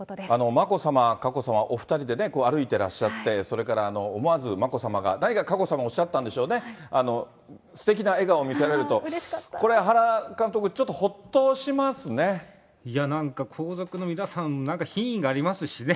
眞子さま、佳子さま、お２人でね、歩いてらっしゃって、それから思わず、眞子さまが、何か佳子さま、おっしゃったんでしょうね、すてきな笑顔を見せられると、これ、いや、なんか皇族の皆さん、品位がありますしね。